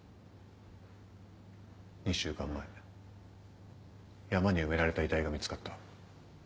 ２週間前山に埋められた遺体が見つかった。